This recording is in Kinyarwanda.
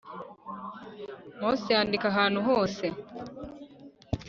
Mose yandika ahantu hose